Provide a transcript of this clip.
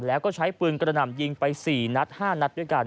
แล้วก็ใช้ปืนกระหน่ำยิงไป๔นัด๕นัดด้วยกัน